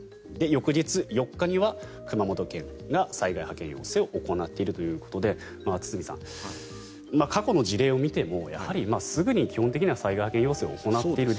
翌日４日には熊本県が災害派遣要請を行っているということで堤さん、過去の事例を見てもやはりすぐに基本的には災害派遣要請を行っている。